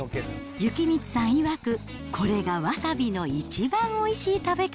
幸光さんいわく、これがわさびの一番おいしい食べ方。